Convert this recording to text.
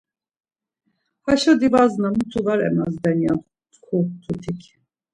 Haşo divasna mutu var emazden ya tku mtutik.